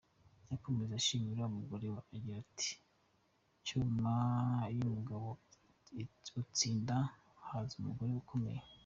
Yakomeje ashima umugore we agira ati : ”nyuma y’umugabo utsinda, haza umugore ukomeye”.